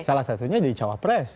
salah satunya di cawapres